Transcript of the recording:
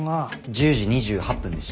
１０時２８分でした。